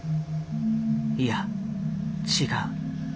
いや違う。